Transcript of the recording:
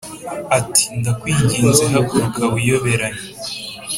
ati “Ndakwinginze haguruka wiyoberanye